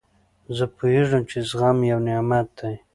زه پوهېږم، چي زغم یو نعمت دئ.